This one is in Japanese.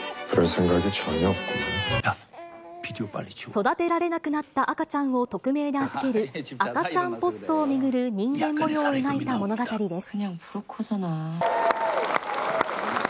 育てられなくなった赤ちゃんを匿名で預ける、赤ちゃんポストを巡る、人間もようを描いた物語です。